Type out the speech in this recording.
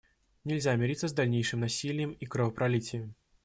Нельзя мириться с дальнейшим насилием и кровопролитием.